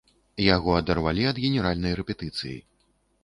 Яго адарвалі ад генеральнай рэпетыцыі.